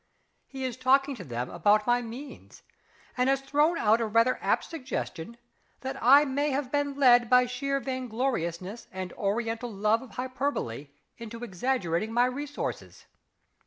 He is talking to them about my means, and has thrown out a rather apt suggestion that I may have been led by sheer vaingloriousness and Oriental love of hyperbole into exaggerating my resources....